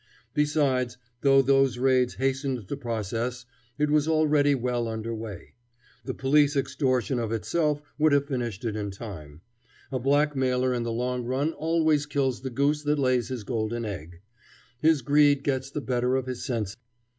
Besides, though those raids hastened the process, it was already well underway. The police extortion of itself would have finished it in time. A blackmailer in the long run always kills the goose that lays his golden egg. His greed gets the better of his sense.